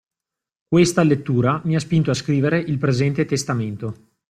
Questa lettura mi ha spinto a scrivere il presente testamento.